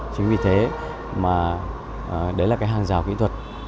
chính vì thế mà đấy là cái hàng rào kỹ thuật